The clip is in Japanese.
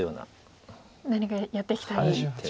何かやっていきたいんですね。